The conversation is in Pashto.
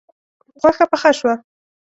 غوښه پخه شوه